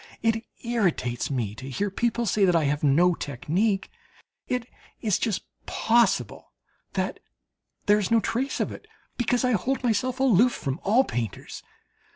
It irritates me to hear people say that I have no "technique." It is just possible that there is no trace of it, because I hold myself aloof from all painters.